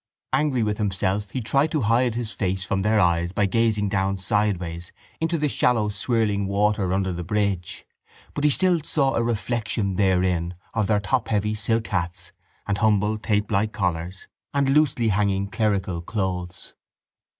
Angry with himself he tried to hide his face from their eyes by gazing down sideways into the shallow swirling water under the bridge but he still saw a reflection therein of their topheavy silk hats and humble tapelike collars and loosely hanging clerical clothes.